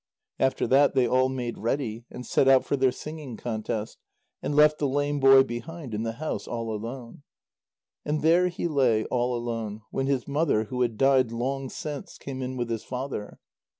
After that, they all made ready, and set out for their singing contest, and left the lame boy behind in the house all alone. And there he lay all alone, when his mother, who had died long since, came in with his father.